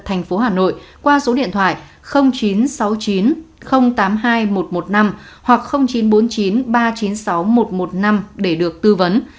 thành phố hà nội qua số điện thoại chín trăm sáu mươi chín tám mươi hai một trăm một mươi năm hoặc chín trăm bốn mươi chín ba trăm chín mươi sáu một trăm một mươi năm để được tư vấn